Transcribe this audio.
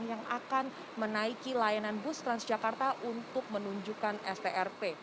yang akan menaiki layanan bus transjakarta untuk menunjukkan strp